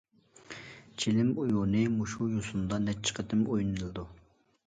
چىلىم ئويۇنى مۇشۇ يوسۇندا نەچچە قېتىم ئوينىلىدۇ.